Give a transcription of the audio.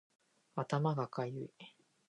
頭がかゆい